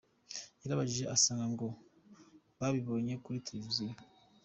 Yarababajije asanga ngo babibonye kuri televiziyo.